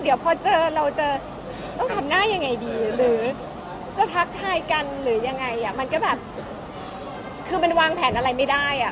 เดี๋ยวพอเจอเราจะต้องทำหน้ายังไงดีหรือจะทักทายกันหรือยังไงอ่ะมันก็แบบคือมันวางแผนอะไรไม่ได้อ่ะ